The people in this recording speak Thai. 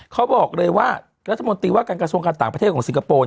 เขาบอกเลยว่ารัฐมนตรีว่าการกระทรวงการต่างประเทศของสิงคโปร์